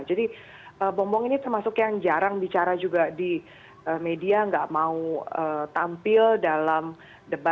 jadi bom bom ini termasuk yang jarang bicara juga di media gak mau tampil dalam debat